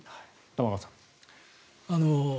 玉川さん。